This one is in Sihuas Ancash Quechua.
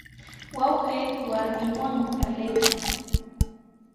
Wawqii warminwanmi parlaykan.